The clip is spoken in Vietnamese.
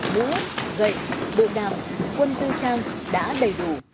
búa gậy bộ đàm quân tư trang đã đầy đủ để chuẩn bị